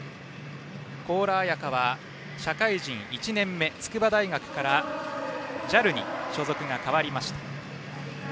高良彩花は社会人１年目筑波大学からＪＡＬに所属が変わりました。